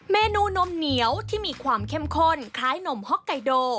เมนูนมเหนียวที่มีความเข้มข้นคล้ายนมฮ็อกไกโด